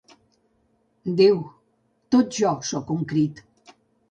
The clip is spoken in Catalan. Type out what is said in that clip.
Déu, tot jo soc un crit.